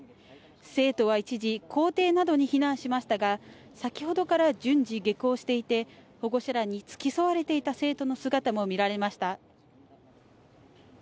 生徒は一時、校庭などに避難しましたが先ほどから順次、下校していて、保護者らに付き添われていた生徒の姿も見られました。